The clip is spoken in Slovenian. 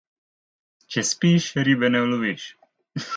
Če spiš, ribe ne uloviš.